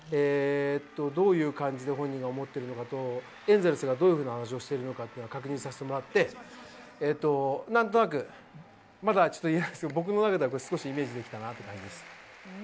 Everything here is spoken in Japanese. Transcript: どういう感じで本人が思っているのかと、エンゼルスが話どういうをしているのか確認させてもらって何となく、まだ言えないですけど僕の中では少しイメージできたと思います。